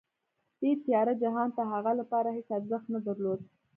دې تیاره جهان د هغه لپاره هېڅ ارزښت نه درلود